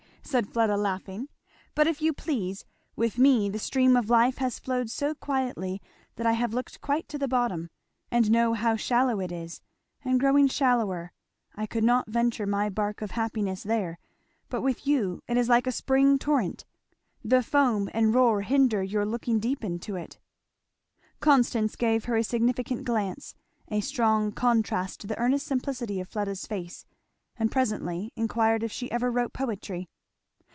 said Fleda laughing; "but, if you please, with me the stream of life has flowed so quietly that I have looked quite to the bottom, and know how shallow it is, and growing shallower; I could not venture my bark of happiness there; but with you it is like a spring torrent, the foam and the roar hinder your looking deep into it." Constance gave her a significant glance, a strong contrast to the earnest simplicity of Fleda's face, and presently inquired if she ever wrote poetry.